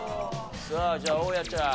さあじゃあ大家ちゃん。